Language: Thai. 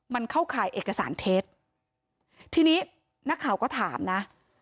มันเข้าข่ายเอกสารเท็จทีนี้นักข่าวก็ถามนะ